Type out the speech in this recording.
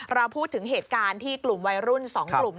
เราพูดถึงเหตุการณ์ที่กลุ่มวัยรุ่น๒กลุ่ม